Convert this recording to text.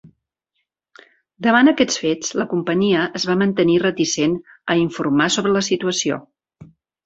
Davant aquests fets, la companyia es va mantenir reticent a informar sobre la situació.